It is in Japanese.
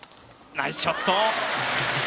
ナイスショット！